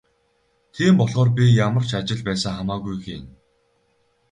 Тийм болохоор би ямар ч ажил байсан хамаагүй хийнэ.